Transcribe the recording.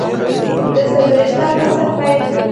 د څلویښتم فصل پیل